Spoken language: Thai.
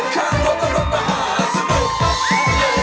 สวัสดีครับ